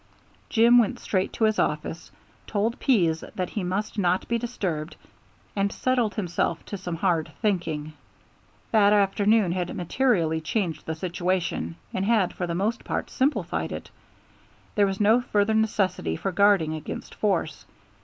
Jim went straight to his office, told Pease that he must not be disturbed, and settled himself to some hard thinking. That afternoon had materially changed the situation, and had for the most part simplified it. There was no further necessity for guarding against force.